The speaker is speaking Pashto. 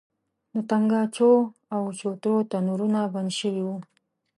د تنګاچو او چوترو تنورونه بند شوي وو.